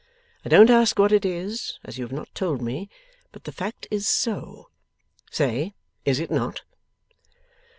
I don't ask what it is, as you have not told me; but the fact is so. Say, is it not?